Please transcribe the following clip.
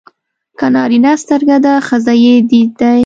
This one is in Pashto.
که نارینه سترګه ده ښځه يې دید دی.